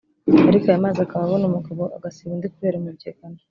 ariko aya mazi akaba abona umugabo agasiba undi kubera umubyigano